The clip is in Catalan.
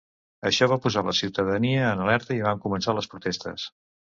Això va posar la ciutadania en alerta i van començar les protestes.